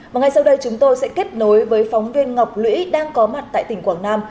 và ngay sau đây chúng tôi sẽ kết nối với phóng viên ngọc lũy đang có mặt tại tỉnh quảng nam